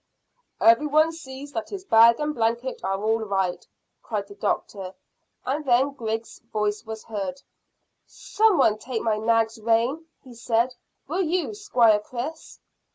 "Every one see that his bag and blanket are all right," cried the doctor; and then Griggs' voice was heard. "Some one take my nag's rein," he said. "Will you, Squire Chris?"